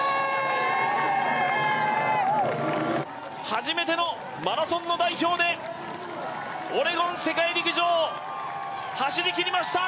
初めてのマラソンの代表でオレゴン世界陸上、走りきりました！